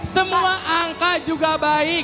semua angka juga baik